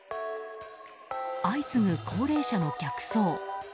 相次ぐ高齢者の逆走。